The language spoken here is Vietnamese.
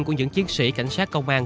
của những chiến sĩ cảnh sát công an